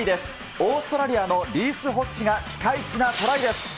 オーストラリアのリース・ホッジがピカイチなトライです。